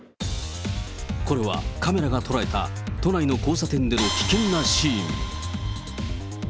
これは、カメラが捉えた都内の交差点での危険なシーン。